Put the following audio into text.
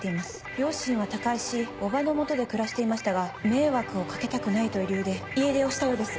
両親は他界し叔母の元で暮らしていましたが迷惑を掛けたくないという理由で家出をしたようです。